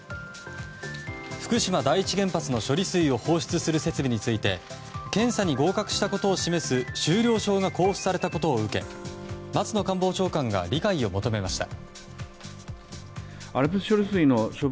福島第一原発の処理水を放出する設備について検査に合格したことを示す終了証が交付されたことを受け松野官房長官が理解を求めました。